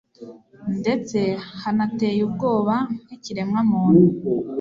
ndetse hanateye ubwoba nk ikiremwamuntu